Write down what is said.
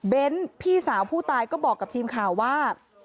พี่สาวผู้ตายก็บอกกับทีมข่าวว่า